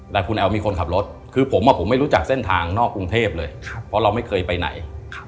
แต่คุณแอ๋วมีคนขับรถคือผมผมไม่รู้จักเส้นทางนอกกรุงเทพเลยเพราะเราไม่เคยไปไหน